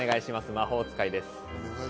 魔法使いです。